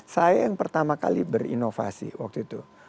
saya yang pertama kali berinovasi waktu itu